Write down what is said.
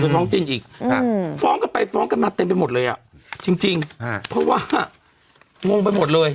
น้องจินอีกฟ้องกันไปฟ้องกันมาเต็มไปหมดเลยอ่ะจริงเพราะว่างงไปหมดเลย